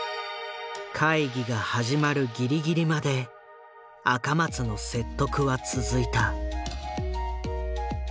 会議が始まるギリギリまで赤松の説得は続いた。